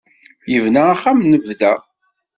Yebna axxam n bda.